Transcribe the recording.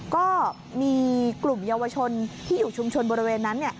ก็มีกลุ่มเยาวชนที่อยู่ชุมชนบริเวณนั้น